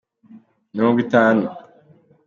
mirongo itanu